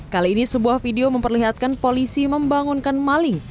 kali ini sebuah video memperlihatkan polisi membangunkan maling